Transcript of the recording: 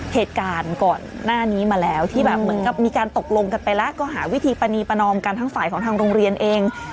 เหตุการณ์ก่อนหน้านี้มาแล้วที่แบบเหมือนกับมีการตกลงกันไปแล้วก็หาวิธีปณีประนอมกันทั้งฝ่ายของทางโรงเรียนเอง